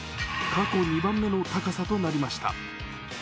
過去２番目の高さとなりました。